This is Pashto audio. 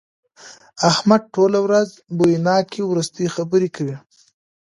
احمد ټوله ورځ بويناکې ورستې خبرې کوي.